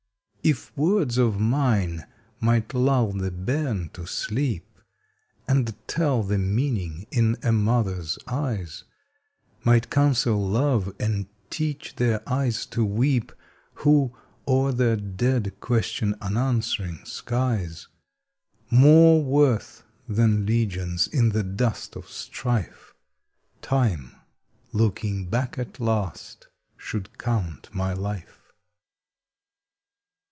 If words of mine might lull the bairn to sleep, And tell the meaning in a mother's eyes; Might counsel love, and teach their eyes to weep Who, o'er their dead, question unanswering skies, More worth than legions in the dust of strife, Time, looking back at last, should count my life.